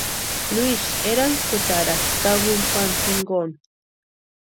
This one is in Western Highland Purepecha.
Luisï erantskutarasti kawini Juanu jinkoni.